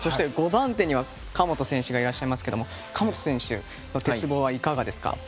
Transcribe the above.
５番手には神本選手がいますが神本選手の鉄棒はいかがですか？